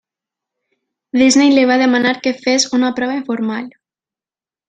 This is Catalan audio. Disney li va demanar que fes una prova informal.